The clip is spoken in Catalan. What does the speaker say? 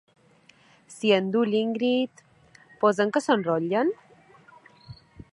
S'hi endú l'Ingrid... posem que s'enrotllen?